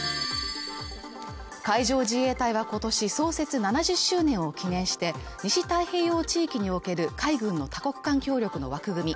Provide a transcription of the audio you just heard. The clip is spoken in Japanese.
海上自衛隊はことし創設７０周年を記念して西太平洋地域における海軍の多国間協力の枠組み